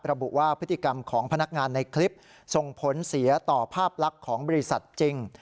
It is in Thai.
ระบุว่าพฤติกรรมของพนักงานในคลิปส่งผลเสียต่อภาพลักษณ์ของบริษัทจริง